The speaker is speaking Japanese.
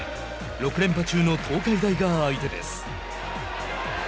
６連覇中の東海大が相手です。